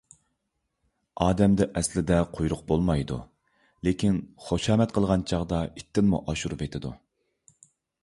ئادەمدە ئەسلىدە قۇيرۇق بولمايدۇ، لېكىن خۇشامەت قىلغان چاغدا ئىتتىنمۇ ئاشۇرۇۋېتىدۇ.